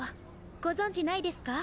ご存じないですか？